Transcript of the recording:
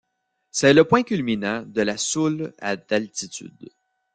C'est le point culminant de la Soule à d'altitude.